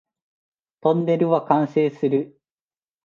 トンネルは完成する